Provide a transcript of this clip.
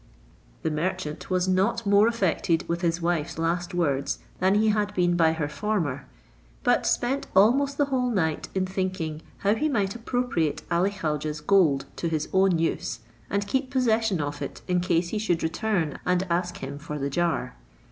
The merchant was not more affected with his wife's last words than he had been by her former, but spent almost the whole night in thinking how he might appropriate Ali Khaujeh's gold to his own use, and keep possession of it in case he should return and ask him for the jar.